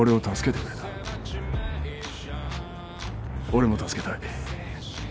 俺も助けたい。